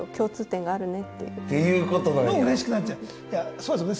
そうですね